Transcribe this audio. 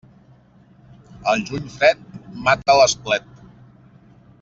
El juny fred mata l'esplet.